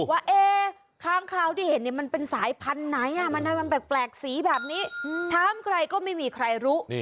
ว่าค้างคาวที่เห็นมันเป็นสายพันธุ์ไหนมันแปลกสีแบบนี้ถามใครก็ไม่มีใครรู้